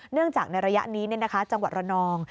เนื่องจากในระยะนี้จังหวัดระนอง